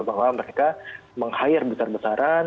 bahwa mereka meng hire besar besaran